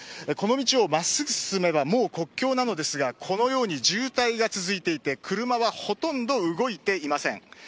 この道を真っすぐ進めばもう国境なのですが、このように渋滞が続いていて車はほとんど動いていません。